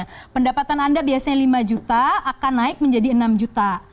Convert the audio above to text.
nah pendapatan anda biasanya lima juta akan naik menjadi enam juta